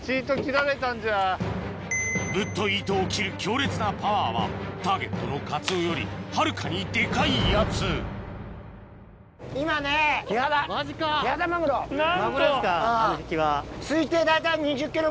ぶっとい糸を切る強烈なパワーはターゲットのカツオよりはるかにデカいやつなんと！